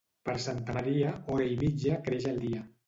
Per Santa Maria, hora i mitja creix el dia.